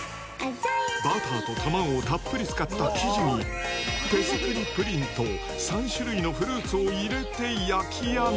バターと卵をたっぷり使った生地に、手作りプリンと３種類のフルーツを入れて焼き上げ、